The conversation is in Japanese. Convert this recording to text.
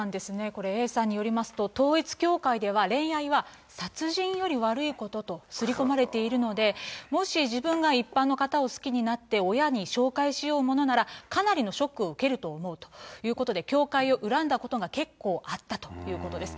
これ、Ａさんによりますと、これ、統一教会では、恋愛は殺人より悪いこととすり込まれているので、もし自分が一般の方を好きになって、親に紹介しようものなら、かなりのショックを受けると思うということで、教会を恨んだことが結構あったということです。